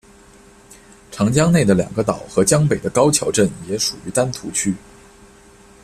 长江内的两个岛和江北的高桥镇也属于丹徒区。